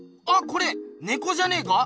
これねこじゃねえか？